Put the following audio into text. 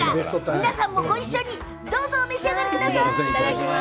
皆さんもごいっしょにどうぞお召し上がりください。